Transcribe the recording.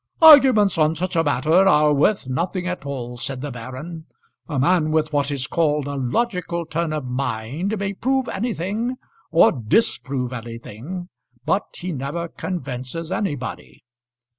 "Arguments on such a matter are worth nothing at all," said the baron. "A man with what is called a logical turn of mind may prove anything or disprove anything; but he never convinces anybody.